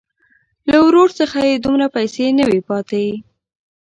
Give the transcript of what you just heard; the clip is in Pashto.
له ورور څخه یې دومره پیسې نه وې پاتې.